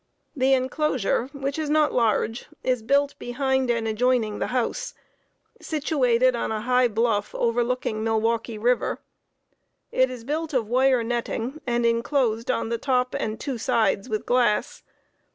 The inclosure, which is not large, is built behind and adjoining the house, situated on a high bluff overlooking Milwaukee River. It is built of wire netting and inclosed on the top and two sides with glass.